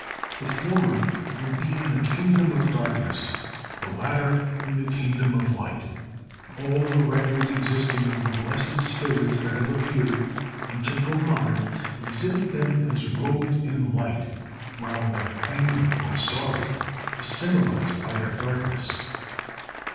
The former will be in the kingdom of darkness—the latter in the kingdom of light. All the records existing of the blessed spirits that have appeared, ancient or modern, exhibit them as robed in light, while their anger or sorrow is symbolized by their darkness.